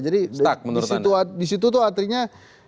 jadi disitu tuh artinya